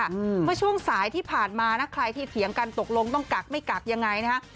เมื่อช่วงสายที่ผ่านมานะใครที่เถียงกันตกลงต้องกักไม่กักยังไงนะฮะ